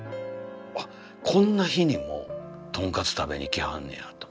あっこんな日にもとんかつ食べにきはんねんやと思って。